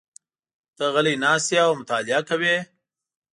ته غلی ناست یې او مطالعه کوې.